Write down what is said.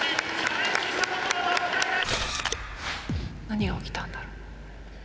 何が起きたんだろう。